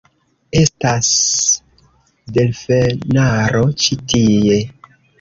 Estas... delfenaro ĉi tie.